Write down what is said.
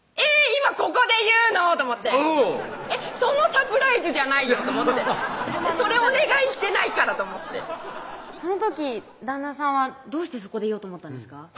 今ここで言うの？と思ってそのサプライズじゃ無いよと思ってそれお願いしてないからと思ってその時旦那さんはどうしてそこで言おうと思ったんですか？